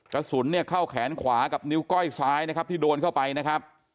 กระสุนเนี่ยเข้าแขนขวากับนิ้วก้อยซ้ายนะครับที่โดนเข้าไปนะครับ